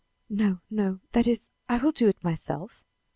"No, no; that is, I will do it myself."